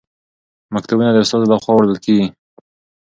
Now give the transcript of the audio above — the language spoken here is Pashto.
مکتوبونه د استازو لخوا وړل کیږي.